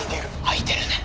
開いてるね。